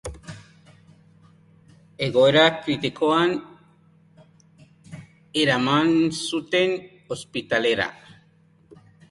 Egoera kritikoan eraman zuten ospitalera.